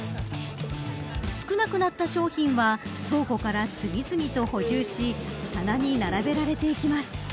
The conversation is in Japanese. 少なくなった商品は倉庫から次々と補充し棚に並べられていきます。